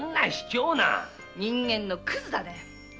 人間のクズだね。